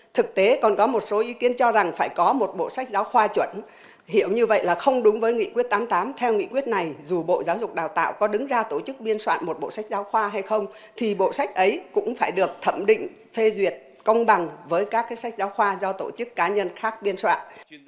thực tế còn có một số ý kiến cho rằng phải có một bộ sách giáo khoa chuẩn hiểu như vậy là không đúng với nghị quyết tám mươi tám theo nghị quyết này dù bộ giáo dục đào tạo có đứng ra tổ chức biên soạn một bộ sách giáo khoa hay không thì bộ sách ấy cũng phải được thẩm định phê duyệt công bằng với các sách giáo khoa do tổ chức cá nhân khác biên soạn